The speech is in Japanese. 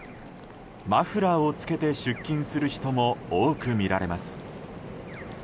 マフラーを着けて出勤する人も多くみられます。